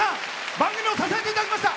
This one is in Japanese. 番組を支えていただきました。